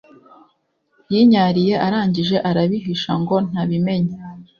Yinyariye arangije arabihisha ngo ntabimenya